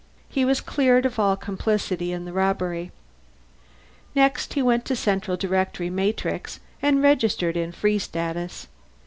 He was cleared of all complicity in the robbery. He next went to the Central Directory Matrix and registered in Free Status.